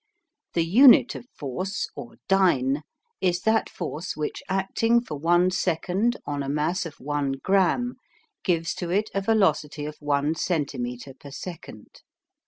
THE UNIT OF FORCE, or DYNE, is that force which, acting for one second on a mass of one gramme, gives to it a velocity of one centimetre per second.